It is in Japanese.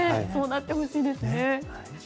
そうなってほしいですね。